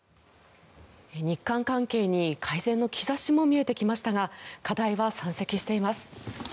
日韓関係に改善の兆しも見えてきましたが課題は山積しています。